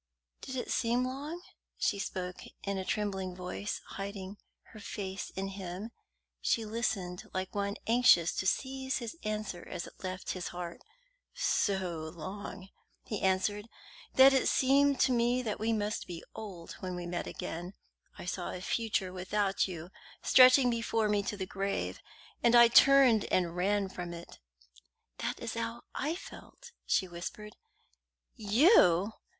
"Did it seem long?" She spoke in a trembling voice, hiding her face in him. She listened like one anxious to seize his answer as it left his heart. "So long," he answered, "that it seemed to me we must be old when we met again. I saw a future without you stretching before me to the grave, and I turned and ran from it." "That is how I felt," she whispered. "You!"